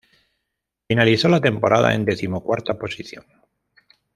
Finalizó la temporada en decimocuarta posición.